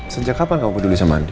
sejak kapan kamu peduli sama anak